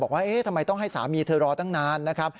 ว่าทำไมต้องให้สามีเธอรอตั้งนานนะครับ